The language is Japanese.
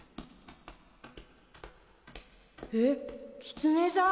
えっキツネさん？